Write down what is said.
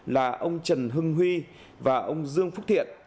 là ông trần hưng huy và ông dương phúc thiện